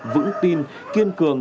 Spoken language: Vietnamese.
vững tuyệt vọng